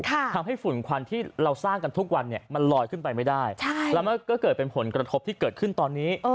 ทำให้ฝุ่นควันที่เราสร้างกันทุกวันเนี่ยมันลอยขึ้นไปไม่ได้แล้วมันก็เกิดเป็นผลกระทบที่เกิดขึ้นตอนนี้